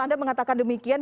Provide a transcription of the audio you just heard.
anda mengatakan demikian